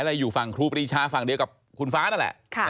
และอยู่ฝั่งครูปรีชาฝั่งเดียวกับคุณฟ้านั่นแหละ